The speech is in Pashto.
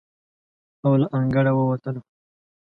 او له انګړه ووتله.